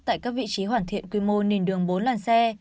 tại các vị trí hoàn thiện quy mô nền đường bốn làn xe